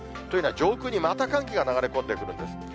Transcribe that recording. というのは、上空にまた寒気が流れ込んでくるんです。